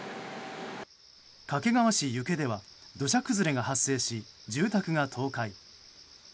掛川市遊家では土砂崩れが発生し、住宅が倒壊。